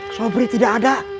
sobri tidak ada